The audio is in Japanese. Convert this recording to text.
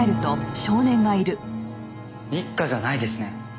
一課じゃないですね。